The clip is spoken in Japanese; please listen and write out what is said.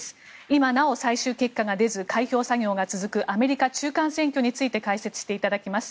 今なお最終結果が出ず開票作業が続くアメリカ中間選挙について解説していただきます。